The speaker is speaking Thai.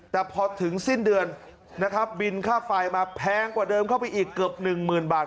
แต่พอถึงสิ้นเดือนนะครับบินค่าไฟมาแพงกว่าเดิมเข้าไปอีกเกือบหนึ่งหมื่นบาท